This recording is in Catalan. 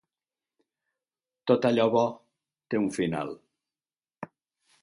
Tot allò bo té un final.